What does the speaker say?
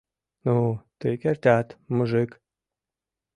— Ну, тый кертат, мужик!